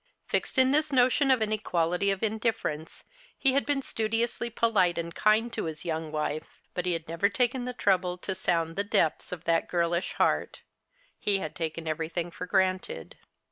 Fixed in this notion of an equality of indifference, he had been studiously polite and kind to his young wife ; but he had never taken the trouble to sound the depths of that girlish heart. He had taken everything for granted.